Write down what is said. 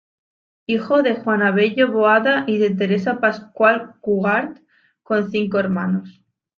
Hijo de Juan Abelló Boada y de Teresa Pascual Cugat, con cinco hermanos.